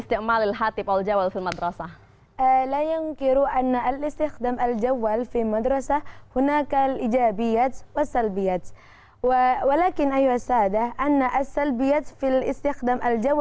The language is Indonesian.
saling menghormati itu poinnya